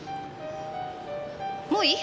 もういい？